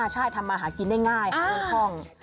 ใช่ทำมาหากินได้ง่ายเอาให้ท่อง